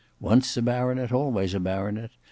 Once a baronet, always a baronet.